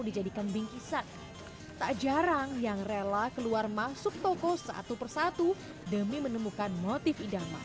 dijadikan bingkisan tak jarang yang rela keluar masuk toko satu persatu demi menemukan motif idaman